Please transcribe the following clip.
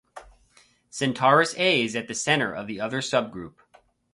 Centaurus A is at the center of the other subgroup.